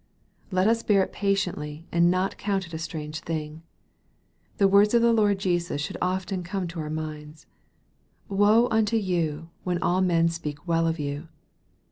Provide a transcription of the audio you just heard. Let us bear it patiently, and not count it a strange thing. The words of the Lord Jesus should often come to our minds :" Woe unto you, when all men shall speak well of you."